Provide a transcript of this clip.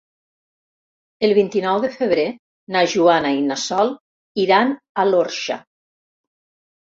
El vint-i-nou de febrer na Joana i na Sol iran a l'Orxa.